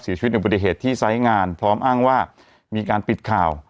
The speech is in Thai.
เสียชีวิตเป็นประเด็นเกิดที่ซ้ายงานพร้อมอ้างว่ามีการปิดข่าว